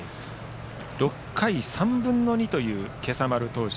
６回３分の２という今朝丸投手。